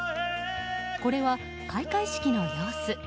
これは、開会式の様子。